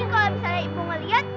kisah ini sangat setak